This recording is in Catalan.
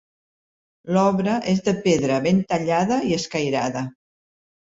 L'obra és de pedra ben tallada i escairada.